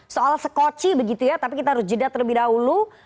soal skoci begitu ya tapi kita harus jeda terlebih dahulu